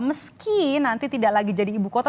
meski nanti tidak lagi jadi ibu kota